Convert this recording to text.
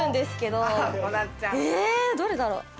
どれだろう。